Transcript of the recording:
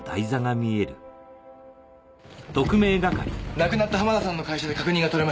亡くなった濱田さんの会社で確認が取れました。